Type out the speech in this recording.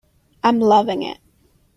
I'm loving it.